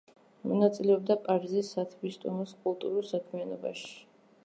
მონაწილეობდა პარიზის სათვისტომოს კულტურულ საქმიანობაში.